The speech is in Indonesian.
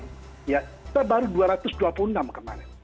kita baru dua ratus dua puluh enam kemarin